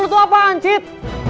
maksud lu apaan cit